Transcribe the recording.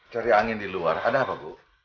cari angin di luar ada apa bu